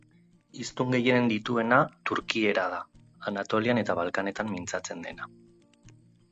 Hiztun gehien dituena turkiera da, Anatolian eta Balkanetan mintzatzen dena.